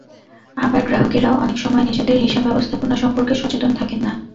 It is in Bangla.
আবার গ্রাহকেরাও অনেক সময় নিজেদের হিসাব ব্যবস্থাপনা সম্পর্কে সচেতন থাকেন না।